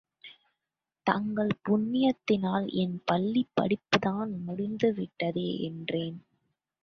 தங்கள் புண்ணியத்தினால் என் பள்ளிப் படிப்புத்தான் முடிந்து விட்டதே? என்றேன்.